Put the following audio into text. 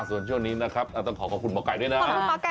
ส่วนช่วงนี้นะครับต้องขอขอบคุณหมอไก่ด้วยนะ